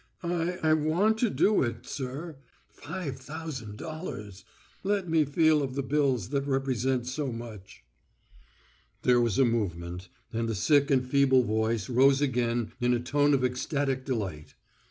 "I—I want to do it, sir. Five thousand dollars! Let me feel of the bills that represent so much." There was a movement, and the sick and feeble voice rose again in a tone of ecstatic delight.